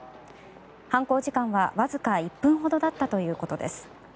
犯行時間はわずか１分ほどだったということです。